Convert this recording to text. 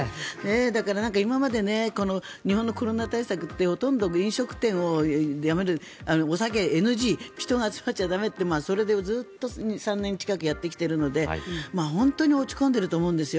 だから今まで日本のコロナ対策ってほとんど飲食店をお酒、ＮＧ人が集まっちゃ駄目ってそれでずっと２３年近くやってきているので本当に落ち込んでいると思うんです。